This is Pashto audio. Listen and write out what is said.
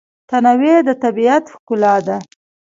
تنوع د طبیعت ښکلا ده.